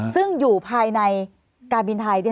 ซึ่งอยู่ภายในการบินไทย